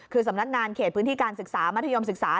คือสำนักงานเขตพื้นที่การศึกษามัธยมศึกษา